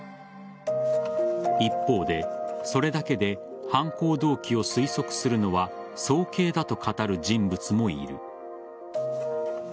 一方で、それだけで犯行動機を推測するのは早計だと語る人物もいる。